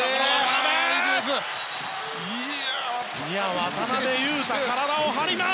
渡邊雄太、体を張ります！